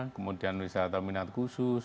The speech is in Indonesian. kemudian wisata minat khusus